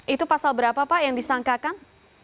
itu pasal berapa pak yang disangkakan